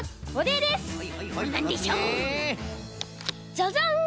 ジャジャン！